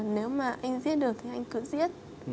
nếu mà anh giết được thì anh cứ giết